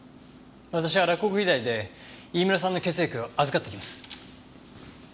私は洛北医大で飯村さんの血液を預かってきます。